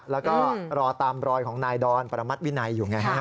แล้วก็รอตามรอยของนายดอนประมัติวินัยอยู่ไงฮะ